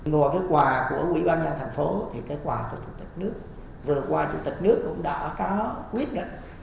ngoài quà của quỹ ban nhân thành phố quà của chủ tịch nước vừa qua chủ tịch nước cũng đã có quyết định